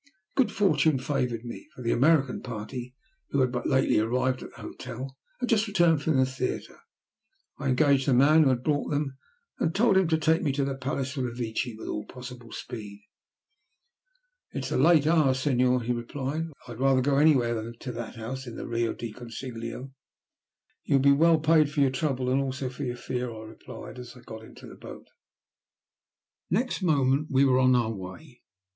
Good fortune favoured me, for the American party who had but lately arrived at the hotel, had just returned from the theatre. I engaged the man who had brought them, and told him to take me to the Palace Revecce with all possible speed. "It's a late hour, Senor," he replied, "and I'd rather go anywhere than to that house in the Rio del Consiglio." "You will be well paid for your trouble and also for your fear," I replied as I got into the boat. Next moment we were on our way.